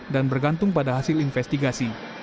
dan bergantung pada hasil investigasi